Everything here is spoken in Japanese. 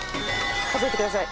数えてください。